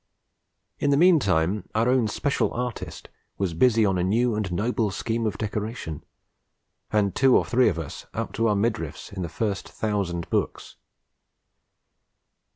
In the meantime our own Special Artist was busy on a new and noble scheme of decoration, and two or three of us up to our midriffs in the first thousand books.